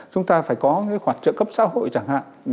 chúng ta phải có khoản trợ cấp xã hội chẳng hạn